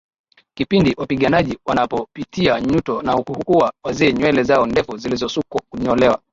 Kipindi wapiganaji wanapopitia Eunoto na kuwa wazee nywele zao ndefu zilizosukwa hunyolewa